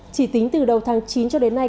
chỉ tính từ đầu tháng chín cho đến nay